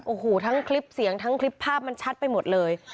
โอ้โหทั้งคลิปเสียงทั้งคลิปภาพมันชัดไปหมดเลย